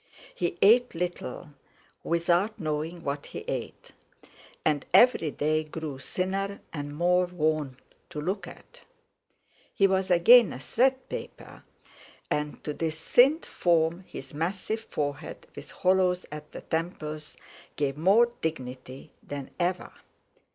He ate little, without knowing what he ate; and every day grew thinner and more worn to look at. He was again a "threadpaper". and to this thinned form his massive forehead, with hollows at the temples, gave more dignity than ever.